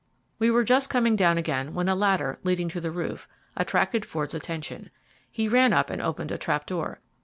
We were just coming down again when a ladder, leading to the roof, attracted Ford's attention. He ran up and opened a trap door.